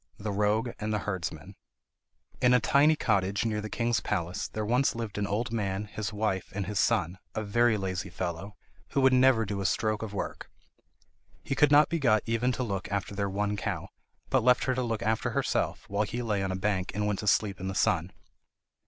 ] The Rogue And The Herdsman In a tiny cottage near the king's palace there once lived an old man, his wife, and his son, a very lazy fellow, who would never do a stroke of work. He could not be got even to look after their one cow, but left her to look after herself, while he lay on a bank and went to sleep in the sun.